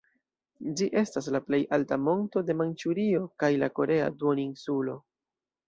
Ĝi estas la plej alta monto de Manĉurio kaj la Korea duoninsulo.